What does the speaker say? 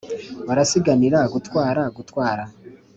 barasiganira gutwara gutwara